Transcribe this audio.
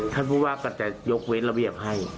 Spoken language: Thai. ท่านผู้ว่าก็จะยกเว้นระเบียบให้